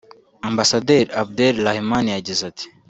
Ambasaderi Abdel Rahman yagize ati